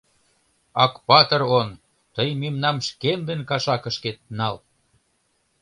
Акпатыр он, тый мемнам шкендын кашакышкет нал.